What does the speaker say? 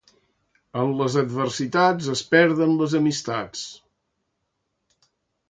En les adversitats es perden les amistats.